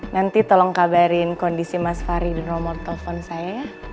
nanti tolong kabarin kondisi mas fahri di nomor telepon saya ya